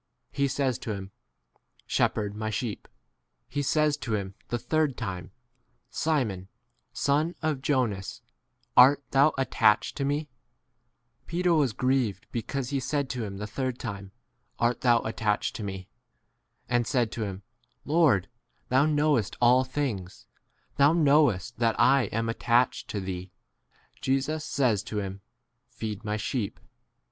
He says to !7 him, Shepherd my sheep. He says to him the third time, Simon, son of Jonas, 7 art thou attached to me P Peter was grieved because he said to him the third time, Art thou attached to me P and said to him, Lord, thou* knowest % all things; thou' knowest* that I am attached to thee. Jesus says 18 to him, Feed my sheep.